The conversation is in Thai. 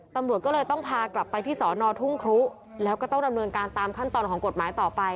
ตำรวจก็เลยต้องพากลับไปที่สอนอทุ่งครุแล้วก็ต้องดำเนินการตามขั้นตอนของกฎหมายต่อไป